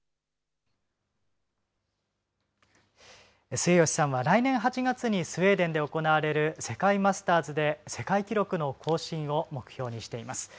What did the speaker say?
末吉さんは来年８月にスウェーデンで行われる世界マスターズで世界記録の更新を目標にしています。